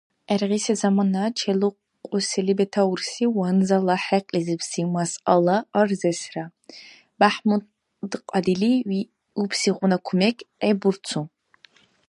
ГӀергъиси замана челукьусили бетаурси ванзала хӀекьлизибси масъала арзесра БяхӀмудкьадили виубсигъуна кумек гӀеббурцу.